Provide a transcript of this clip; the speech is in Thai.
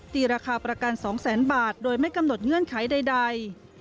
ราคาประกัน๒แสนบาทโดยไม่กำหนดเงื่อนไขใด